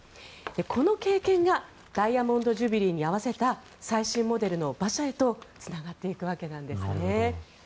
この経験がダイヤモンド・ジュビリーに合わせた最新モデルの馬車へとつながっていくわけなんですね。